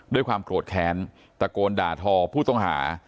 ด้วยความโกรธแค้นตะโกนด่าทอผู้ต้องหา